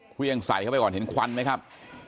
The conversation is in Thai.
เครื่องใส่เข้าไปก่อนเห็นควันไหมครับ